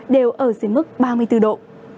đều ở dưới mức ba mươi bốn độ